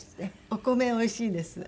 お米おいしいんです。